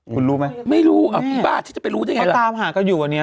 คุณรู้ไหมไม่รู้พี่บ้าฉันจะไปรู้ได้ไงล่ะตามหากันอยู่อันนี้